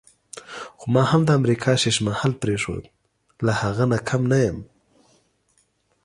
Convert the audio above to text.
خو ما هم د امریکا ښیښه محل پرېښود، له هغه نه کم نه یم.